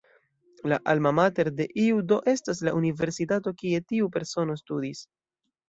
La "Alma mater" de iu do estas la universitato kie tiu persono studis.